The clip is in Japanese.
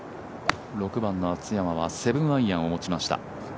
６番の松山は７アイアンを持ちました。